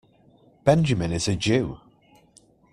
Benjamin is a Jew.